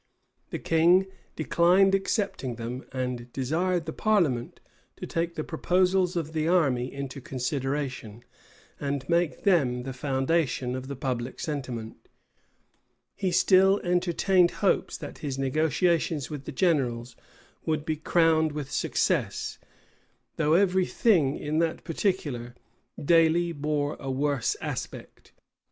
The king declined accepting them, and desired the parliament to take the proposals of the army into consideration, and make them the foundation of the public sentiment.[*] He still entertained hopes that his negotiations with the generals would be crowned with success; though every thing, in that particular, daily bore a worse aspect.